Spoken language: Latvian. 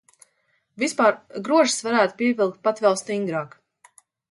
Vispār grožus varētu pievilkt pat vēl stingrāk.